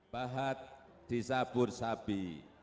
bahat disabur sabi